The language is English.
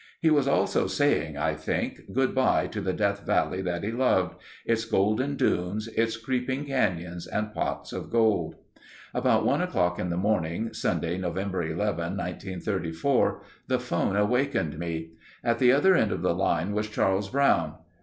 He was also saying, I think, goodbye to the Death Valley that he loved; its golden dunes, its creeping canyons and pots of gold. About one o'clock in the morning, Sunday, November 11, 1934, the phone awakened me. At the other end of the line was Charles Brown.